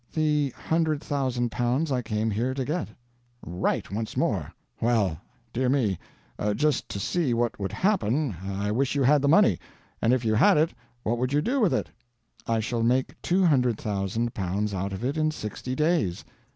"The hundred thousand pounds I came here to get." "Right, once more. Well, dear me, just to see what would happen, I wish you had the money. And if you had it, what would you do with it?" "I shall make two hundred thousand pounds out of it in sixty days."